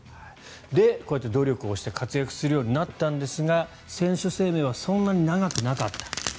こうやって努力をして活躍するようになったんですが選手生命はそんなに長くなかった。